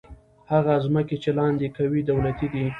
هغه ځمکې چې لاندې کوي، دولتي دي.